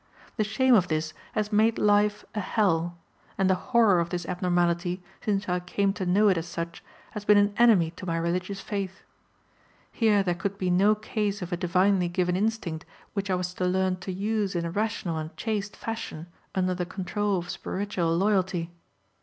The shame of this has made life a hell, and the horror of this abnormality, since I came to know it as such, has been an enemy to my religious faith. Here there could be no case of a divinely given instinct which I was to learn to use in a rational and chaste fashion, under the control of spiritual loyalty.